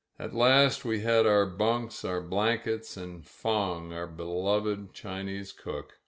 At last we had our bunks, our blankets, and Fong, our beloved Chinese cook.